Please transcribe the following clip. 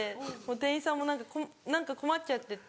店員さんも何か困っちゃってて。